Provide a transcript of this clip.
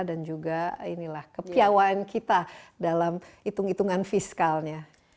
dan juga inilah kepiawaan kita dalam hitung hitungan fiskalnya